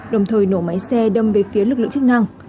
đồng thời nổ máy xe đâm về phía lực lượng chức năng